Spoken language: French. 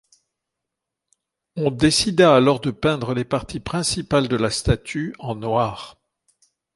On décida alors de peindre les parties principales de la statue en noir.